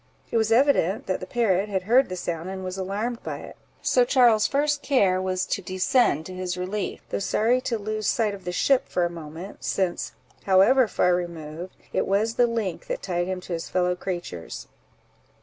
It was evident that the parrot had heard the sound, and was alarmed by it; so Charles's first care was to descend to his relief, though sorry to lose sight of the ship for a moment, since, however far removed, it was the link that tied him to his fellow creatures.